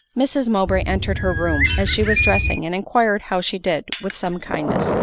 Mrs Mowbray entered her room as she was dressing, and inquired how she did, with some kindness.